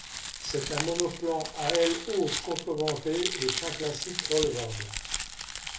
C'est un monoplan à aile haute contreventée et train classique relevable.